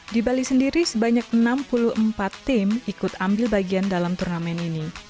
di bali sendiri sebanyak enam puluh empat tim ikut ambil bagian dalam turnamen ini